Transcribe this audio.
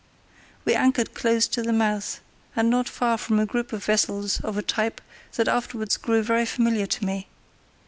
We anchored close to the mouth, and not far from a group of vessels of a type that afterwards grew very familiar to me.